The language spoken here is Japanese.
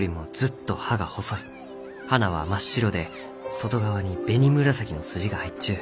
花は真っ白で外側に紅紫の筋が入っちゅう。